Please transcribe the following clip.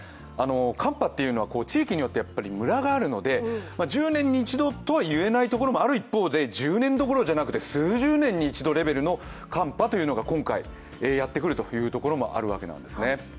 寒波っていうのは地域によってムラがあるので、１０年に一度とは言えないところもある一方で１０年どころじゃない寒波というのが今回やってくるところもあるわけですね。